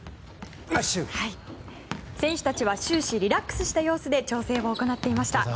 選手たちは終始リラックスした様子で調整を行っていました。